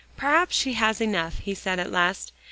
"Perhaps she has enough," he said at last.